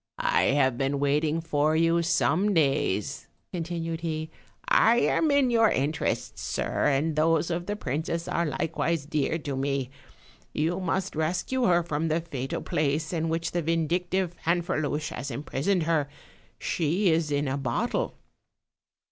"I have been waiting for you some days," con tinued he; "I am in your interests, sir, and those of the princess are likewise dear to me: you must rescue her from the fatal place in which the vindictive Fanferluche has imprisoned her; she is in a bottle."